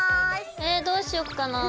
えどうしよっかなぁ。